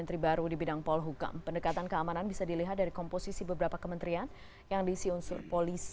terima kasih sudah hadir malam hari ini